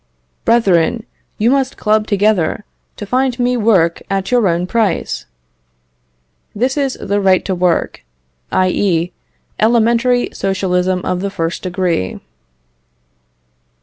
"Brethren, you must club together to find me work at your own price." This is the right to work; i.e., elementary socialism of the first degree.